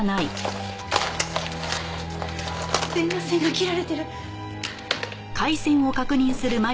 電話線が切られてる。